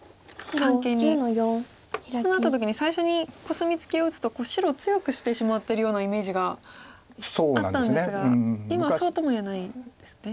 こうなった時に最初にコスミツケを打つと白を強くしてしまってるようなイメージがあったんですが今はそうとも言えないんですね。